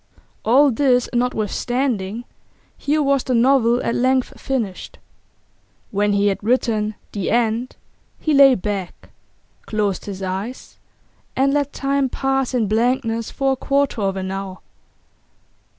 All this notwithstanding, here was the novel at length finished. When he had written 'The End' he lay back, closed his eyes, and let time pass in blankness for a quarter of an hour.